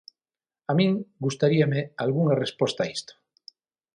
A min gustaríame algunha resposta a isto.